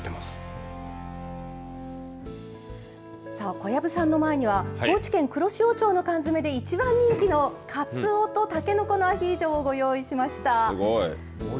小籔さんの前には高知県黒潮町の缶詰で一番人気のカツオとタケノコのアヒージョをすごい。